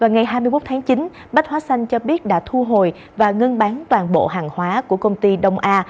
ngày hai mươi một tháng chín bách hóa xanh cho biết đã thu hồi và ngưng bán toàn bộ hàng hóa của công ty đông a